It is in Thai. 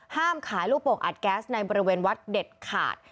ห้ามขายลูกโป่งอัดแก๊สในบริเวณวัดเด็ดขาด